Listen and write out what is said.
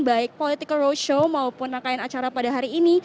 baik political roadshow maupun rangkaian acara pada hari ini